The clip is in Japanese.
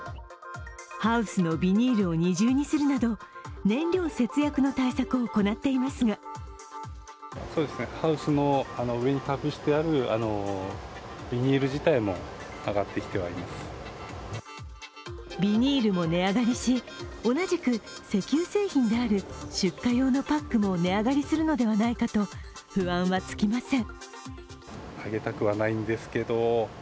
ハウスのビニールを二重にするなど、燃料節約の対策を行っていますがビニールも値上がりし、同じく石油製品である出荷用のパックも値上がりするのではないかと不安は尽きません。